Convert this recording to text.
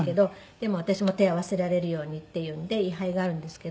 でも私も手を合わせられるようにっていうんで位牌があるんですけど。